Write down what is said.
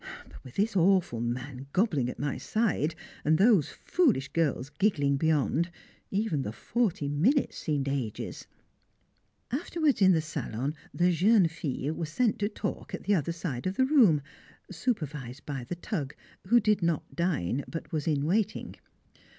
But with this awful man gobbling at my side, and those foolish girls giggling beyond, even the forty minutes seemed ages. Afterwards in the salon the "jeunes filles" were sent to talk at the other side of the room, supervised by "the Tug," who did not dine, but was in waiting.